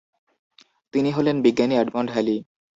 তিনি হলেন বিজ্ঞানী এডমন্ড হ্যালি।